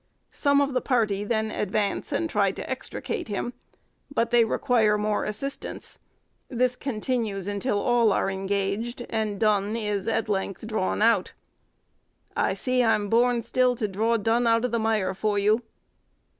Some of the party then advance and try to extricate him, but they require more assistance; this continues till all are engaged, and Dun is at length drawn out, "I see I'm born still to draw Dun out o' th' mire for you."